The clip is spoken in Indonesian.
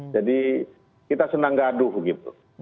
jadi kita senang gaduh gitu